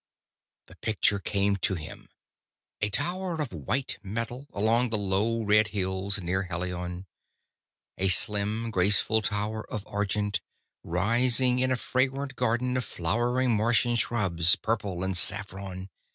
The picture came to him. A tower of white metal, among the low red hills near Helion. A slim, graceful tower of argent, rising in a fragrant garden of flowering Martian shrubs, purple and saffron.